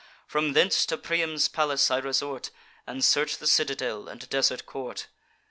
From thence to Priam's palace I resort, And search the citadel and desert court.